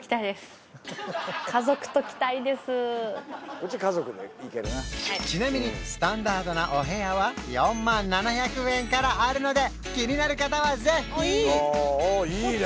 うち家族で行けるなちなみにスタンダードなお部屋は４万７００円からあるので気になる方はぜひああいいね！